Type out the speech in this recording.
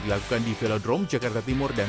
dilakukan di velodrome jakarta timur dan